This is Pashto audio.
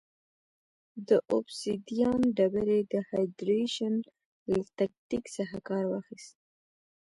د اوبسیدیان ډبرې د هایدرېشن له تکتیک څخه کار واخیست.